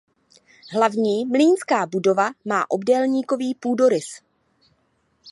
Hlavní mlýnská budova má obdélníkový půdorys.